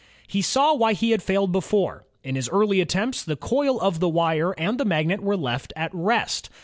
He saw why he had failed before. In his earlier attempts, the coil of wire and the magnet were left at rest.